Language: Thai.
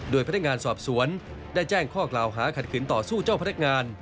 โดยพนักงานสอบสวนได้แจ้งข้อกล่าวหาขัดขืนต่อสู้เจ้าพนักงาน